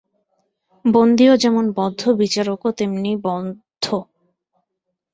বন্দীও যেমন বদ্ধ বিচারকও তেমনি বদ্ধ।